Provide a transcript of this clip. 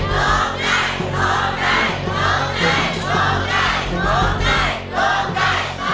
โทษให้โทษให้โทษให้โทษให้